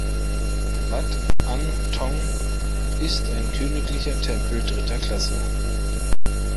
Wat Ang Thong ist ein Königlicher Tempel Dritter Klasse.